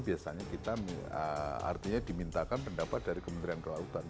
biasanya kita artinya dimintakan pendapat dari kementerian kelautan